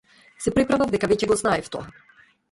Се преправав дека веќе го знаев тоа.